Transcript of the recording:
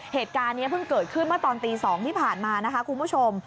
เหตุการณ์นี้เพิ่งเกิดขึ้นเมื่อตอนตี๒ที่ผ่านมานะคะคุณผู้ชม